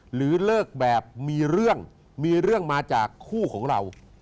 หรือเลิกแบบมีเรื่องมีเรื่องมาจากคู่ของเรา